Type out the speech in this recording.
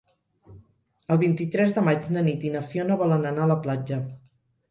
El vint-i-tres de maig na Nit i na Fiona volen anar a la platja.